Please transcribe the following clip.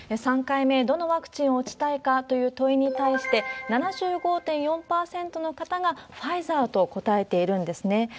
３回目、どのワクチンを打ちたいかという問いに対して、７５．４％の方がファイザーと答えているんですね。